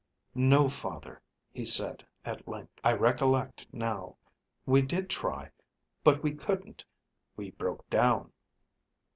"No, father," he said at length; "I recollect now. We did try, but we couldn't. We broke down."